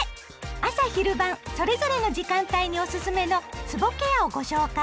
朝・昼・晩それぞれの時間帯におすすめのつぼケアをご紹介。